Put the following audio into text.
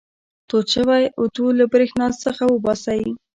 تود شوی اوتو له برېښنا څخه وباسئ.